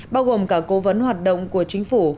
bao gồm cả cố vấn hoạt động của chính phủ